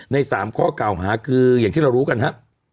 ใน๓ข้อเก่าหาคืออย่างที่เรารู้กันครับ